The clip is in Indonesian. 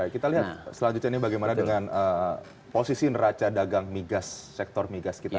kita lihat selanjutnya ini bagaimana dengan posisi neraca dagang migas sektor migas kita